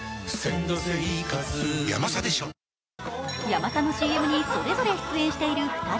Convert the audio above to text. ヤマサのＣＭにそれぞれ出演している２人。